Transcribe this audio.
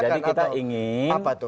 bukan jadi kita ingin